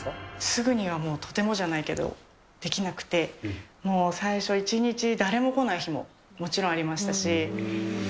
すぐにはもうとてもじゃないけど、できなくて、もう最初、一日、誰も来ない日もありましたし。